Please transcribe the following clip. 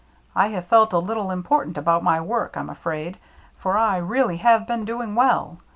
I have felt a little important about my work, I'm afraid, for I really have been doing well.